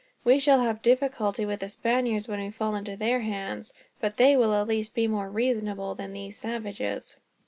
We shall have difficulty with the Spaniards, when we fall into their hands; but they will at least be more reasonable than these savages."